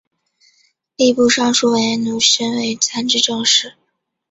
吏部尚书完颜奴申为参知政事。